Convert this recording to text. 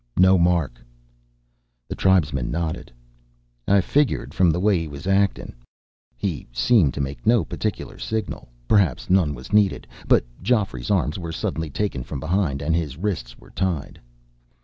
"No mark." The tribesman nodded. "I figured, from the way he was actin'." He seemed to make no particular signal perhaps none was needed but Geoffrey's arms were suddenly taken from behind, and his wrists were tied.